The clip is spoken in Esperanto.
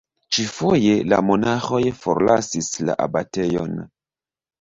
Ĉi-foje, la monaĥoj forlasis la abatejon.